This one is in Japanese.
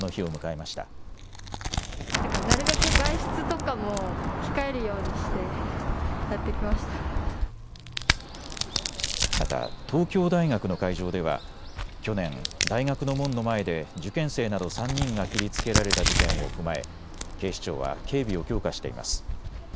また、東京大学の会場では去年、大学の門の前で受験生など３人が切りつけられた事件を踏まえ警視庁は警備を強化しています。